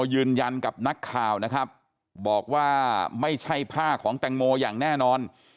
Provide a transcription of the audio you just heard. ยืนยันกับนักข่าวนะครับบอกว่าไม่ใช่ผ้าของแตงโมอย่างแน่นอน